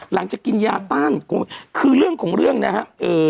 หลังจากกินยาตั้งคือเรื่องของเรื่องนะครับ